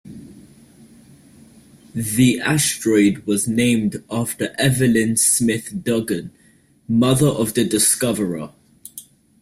The asteroid was named after Evelyn Smith Dugan, mother of the discoverer.